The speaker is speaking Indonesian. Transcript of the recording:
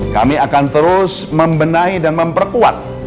kami akan terus membenahi dan memperkuat